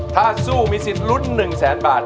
ถ้าสู้มีสิทธิ์รุ่นหนึ่งแสนบาท